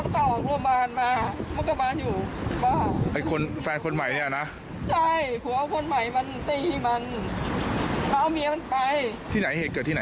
จะเป็นใครฟังใหม่เรามีเก่าใด